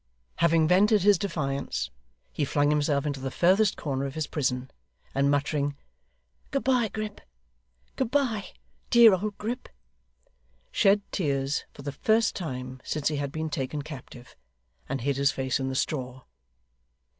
Having vented his defiance, he flung himself into the furthest corner of his prison, and muttering, 'Good bye, Grip good bye, dear old Grip!' shed tears for the first time since he had been taken captive; and hid his face in the straw.